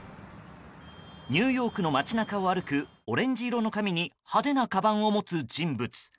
ニューヨークの街中を歩くオレンジ色の髪に派手なかばんを持つ人物。